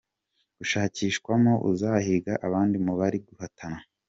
Gushakishwamo uzahiga abandi mu bari guhatana.